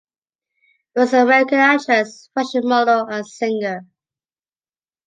Rose, is an American actress, fashion model and singer.